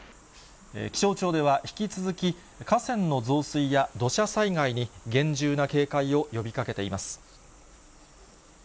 気象庁では引き続き、河川の増水や土砂災害に厳重な警戒を呼びかけています。